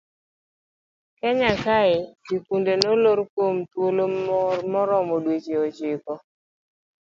Kenya kae skunde nolor kuom thuolo maromo dweche ochiko.